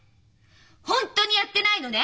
本当にやってないのね！？